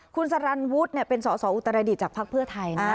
คุณสรรันวุฒิเนี่ยเป็นสออุตรรายดิจากภาคเพื่อไทยนะฮะ